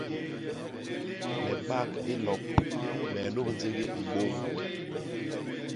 Me bak i lop, me nup ndigi mbôñ.